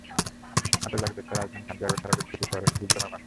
আতশবাজি দেখতে রাজধানী সান্টিয়াগো ছাড়াও বেশ কিছু শহরে ভিড় জমায় মানুষ।